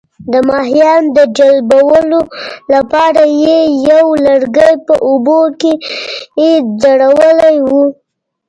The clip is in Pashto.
د ماهیانو د جلبولو لپاره یې یو لرګی په اوبو کې ځړولی وو.